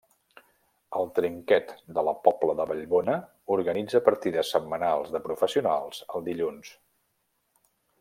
El Trinquet de la Pobla de Vallbona organitza partides setmanals de professionals el dilluns.